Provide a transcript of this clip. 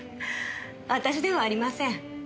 私ではありません。